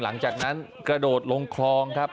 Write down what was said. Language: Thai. หลังจากนั้นกระโดดลงคลองครับ